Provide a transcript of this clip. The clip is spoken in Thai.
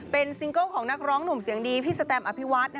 เป็นซิงเกิลของนักร้องหนุ่มเสียงดีพี่สแตมอภิวัฒน์